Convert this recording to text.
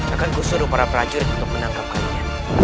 aku akan suruh para prajurit untuk menangkap kalian